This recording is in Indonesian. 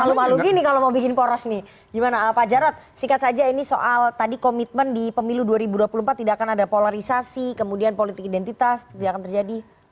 malu malu gini kalau mau bikin poros nih gimana pak jarod singkat saja ini soal tadi komitmen di pemilu dua ribu dua puluh empat tidak akan ada polarisasi kemudian politik identitas tidak akan terjadi